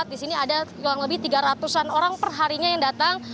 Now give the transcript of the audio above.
di sini ada kurang lebih tiga ratus an orang perharinya yang datang